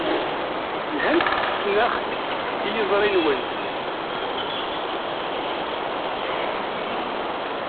Lhant tfesnax i yiẓri-nwent.